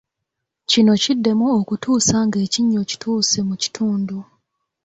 Kino kiddemu okutuusa nga ekinnya okituuse mu kitundu.